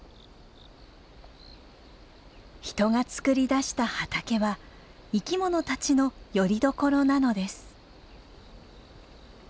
人がつくり出した畑は生きものたちのよりどころなのです。